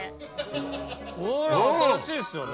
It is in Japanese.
これ新しいですよね